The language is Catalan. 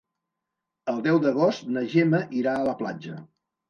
El deu d'agost na Gemma irà a la platja.